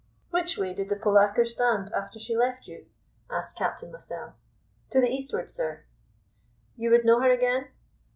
"Which way did the polacre stand after she left you?" asked Captain Lascelles. "To the eastward, sir." "You would know her again?"